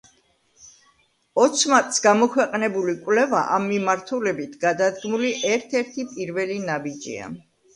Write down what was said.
ოც მარტს გამოქვეყნებული კვლევა ამ მიმართულებით გადადგმული ერთ-ერთი პირველი ნაბიჯია.